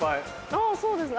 あぁそうですね。